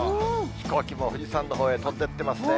飛行機も富士山のほうへ飛んでってますね。